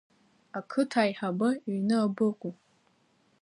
Ақыҭа аиҳабы иҩны абыкәу?